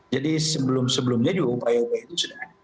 jadi sebelum sebelumnya juga upaya upaya itu sudah ada